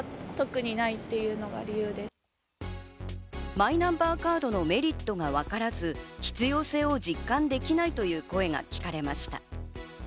マイナンバーカードのメリットがわからず必要性を実感できないという声が聞かれました。